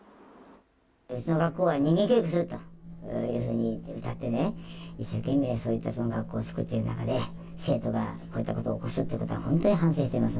うちの学校は人間教育をするというふうにうたってね、一生懸命、学校を作っている中で生徒がこういったことを起こすということは、本当に反省してます。